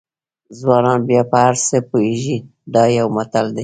ځوانان بیا په هر څه پوهېږي دا یو متل دی.